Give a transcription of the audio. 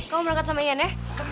kamu berangkat sama ian ya